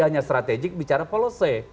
hanya strategik bicara polose